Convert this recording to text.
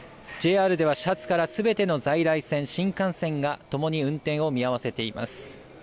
ＪＲでは始発からすべての在来線、新幹線がともに運転を見合わせています。